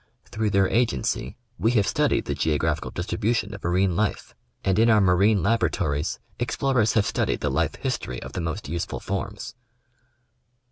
Through their agency, we have studied the geographical distribu Introductory Address. 9 tion of marine life ; and in our marine laboratories, explorers have studied the life history of the most useful forms.